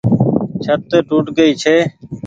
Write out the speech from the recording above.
ڇت ٽوٽ گئي ڇي۔